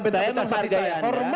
saya menghargai anda